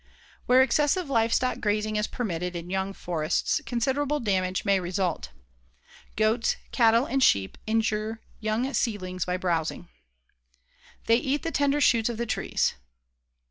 Where excessive livestock grazing is permitted in young forests considerable damage may result. Goats, cattle and sheep injure young seedlings by browsing. They eat the tender shoots of the trees.